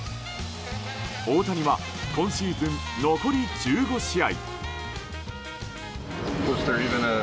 大谷は今シーズン残り１５試合。